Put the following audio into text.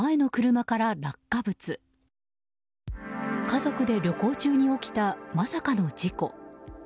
家族で旅行中に起きたまさかの事故。